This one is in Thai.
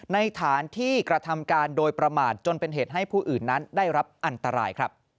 ฐานที่กระทำการโดยประมาทจนเป็นเหตุให้ผู้อื่นนั้นได้รับอันตรายครับ